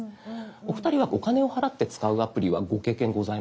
お二人はお金を払って使うアプリはご経験ございますか？